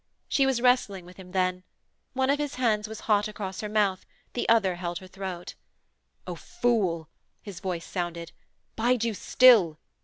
She was wrestling with him then. One of his hands was hot across her mouth, the other held her throat. 'Oh fool!' his voice sounded. 'Bide you still.'